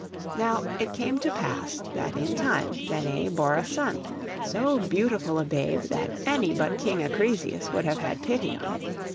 Now it came to pass that in time Danae bore a son; so beautiful a babe that any but King Acrisius would have had pity on it.